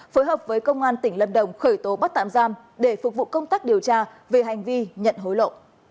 phối hợp với công an tỉnh lâm đồng khởi tố bắt tạm giam để phục vụ công tác điều tra về hành vi nhận hối lộ